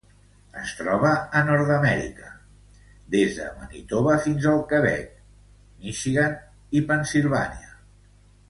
Es troba a Nord-amèrica: des de Manitoba fins al Quebec, Michigan i Pennsilvània.